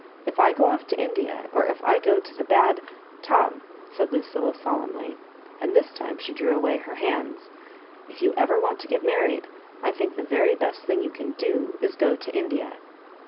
If I go off to India, or if I go to the bad "" Tom," said Lucilla, solemnly, and this time ""she drew away her hands, " if you ever want to get married, I think the very best thing you can do is to go to India.